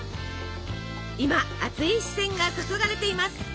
今熱い視線が注がれています！